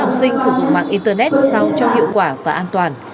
hướng và tư vấn học sinh sử dụng mạng internet sao cho hiệu quả và an toàn